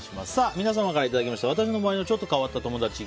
皆様からいただいた私の周りのちょっと変わった友達。